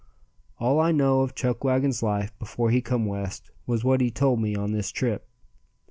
All I know of Chuckwagon's life before he come West was what he told me on this trip.